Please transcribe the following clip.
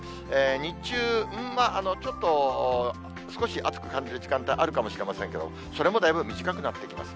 日中、まあ、ちょっと、少し暑く感じる時間帯あるかもしれませんけれども、それもだいぶ短くなってきます。